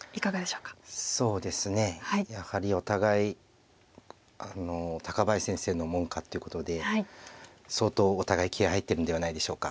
そうですねやはりお互い高林先生の門下ということで相当お互い気合い入ってるんではないでしょうか。